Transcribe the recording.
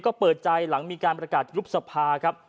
ก็เปิดใจหลังมีการประกาศยุบสภาครับ